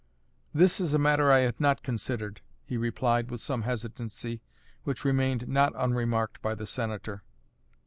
"This is a matter I had not considered," he replied with some hesitancy, which remained not unremarked by the Senator.